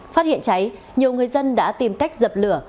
phát hiện cháy nhiều người dân đã tìm cách dập lửa